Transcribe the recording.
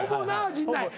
陣内。